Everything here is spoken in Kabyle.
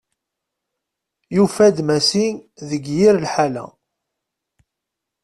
Yufa-d Massi deg yir lḥala.